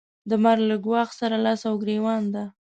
د مرګ له ګواښ سره لاس او ګرېوان ده.